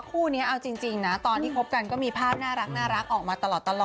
คู่นี้เอาจริงนะตอนที่คบกันก็มีภาพน่ารักออกมาตลอด